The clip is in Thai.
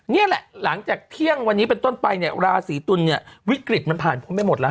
นี่แหละหลังจากเที่ยงวันนี้เป็นต้นไปเนี่ยราศีตุลเนี่ยวิกฤตมันผ่านพ้นไปหมดแล้ว